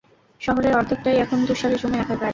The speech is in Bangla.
শহরের অর্ধেকটাই এখন তুষারে জমে একাকার!